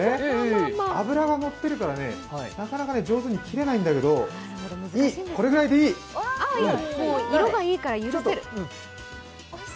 脂がのってるからね、なかなか上手に切れないんだけど、いい、これくらいでいいちょっとね